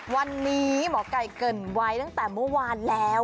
วันนี้หมอไก่เกิดไว้ตั้งแต่เมื่อวานแล้ว